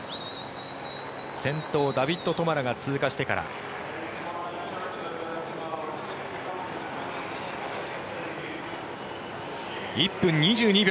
先頭ダビッド・トマラが通過してから１分２２秒。